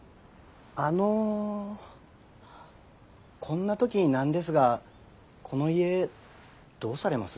こんな時に何ですがこの家どうされます？